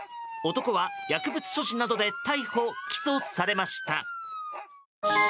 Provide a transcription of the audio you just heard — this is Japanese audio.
男は薬物所持などで逮捕・起訴されました。